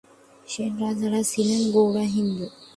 সেন রাজারা ছিলেন গোঁড়া হিন্দু।